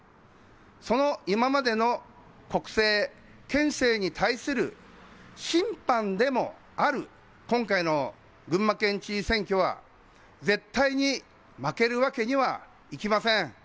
その今までの国政、県政に対する審判でもある今回の群馬県知事選挙は絶対に負けるわけにはいきません。